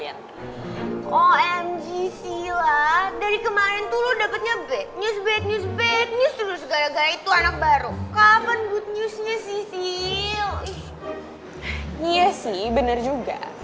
iya sih bener juga